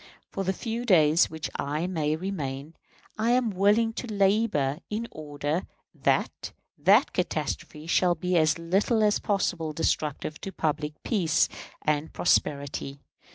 For the few days which I may remain, I am willing to labor in order that that catastrophe shall be as little as possible destructive to public peace and prosperity.